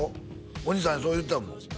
お兄さんがそう言うてたもん